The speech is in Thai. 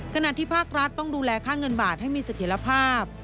ขณะที่ภาครัฐต้องดูแลค่าเงินบาทให้มีเสถียรภาพ